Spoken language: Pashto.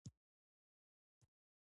آیا سړک او اوبه شته؟